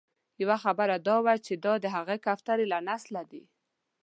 یوه خبره دا وه چې دا د هغه کوترې له نسله دي.